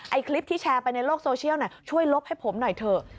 คลิปที่แชร์ไปในโลกโซเชียลช่วยลบให้ผมหน่อยเถอะ